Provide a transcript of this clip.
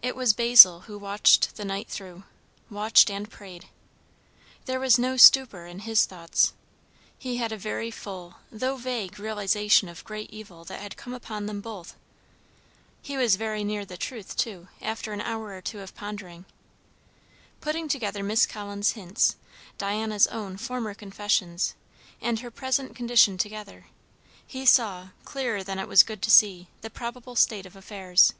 It was Basil who watched the night through; watched and prayed. There was no stupor in his thoughts; he had a very full, though vague, realization of great evil that had come upon them both. He was very near the truth, too, after an hour or two of pondering. Putting Miss Collins' hints, Diana's own former confessions, and her present condition together, he saw, clearer than it was good to see, the probable state of affairs.